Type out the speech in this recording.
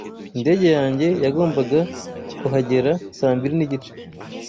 Indege yanjye yagombaga kuhagera saa mbiri nigice.